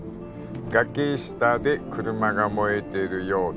「崖下で車が燃えてるようだ」